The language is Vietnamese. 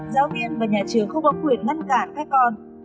giáo viên và nhà trường không có quyền ngăn cản các con